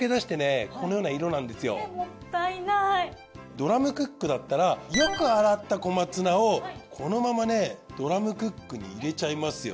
ドラムクックだったらよく洗った小松菜をこのままねドラムクックに入れちゃいますよ。